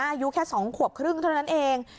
อายุแค่๒ขวบครึ่งเท่านั้นเอง